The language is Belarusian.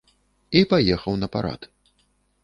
І паехаў на парад.